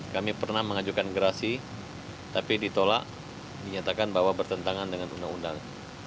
kami pernah mengajukan gerasi tapi ditolak dinyatakan bahwa bertentangan dengan undang undang